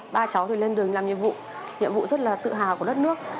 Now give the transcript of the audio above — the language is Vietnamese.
ba cháu thì lên đường làm nhiệm vụ nhiệm vụ rất là tự hào của đất nước